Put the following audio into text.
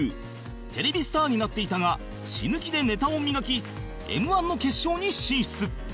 テレビスターになっていたが死ぬ気でネタを磨き Ｍ−１ の決勝に進出